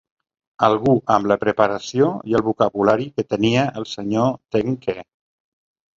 Algú amb la preparació i el vocabulari que tenia el senyor Ten que.